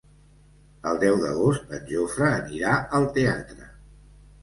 El deu d'agost en Jofre anirà al teatre.